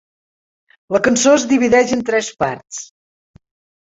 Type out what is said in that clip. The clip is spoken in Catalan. La cançó es divideix en tres parts.